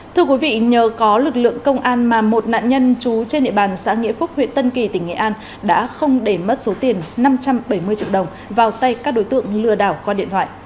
thưa quý vị nhờ có lực lượng công an mà một nạn nhân trú trên địa bàn xã nghĩa phúc huyện tân kỳ tỉnh nghệ an đã không để mất số tiền năm trăm bảy mươi triệu đồng vào tay các đối tượng lừa đảo qua điện thoại